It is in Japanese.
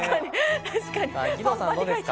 義堂さん、どうですか？